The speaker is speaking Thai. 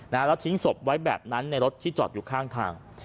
แล้วทิ้งศพไว้แบบนั้นในรถที่จอดอยู่ข้างทาง